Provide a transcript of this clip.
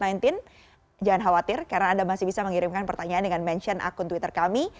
jangan khawatir karena anda masih bisa mengirimkan pertanyaan dengan mention akun twitter kami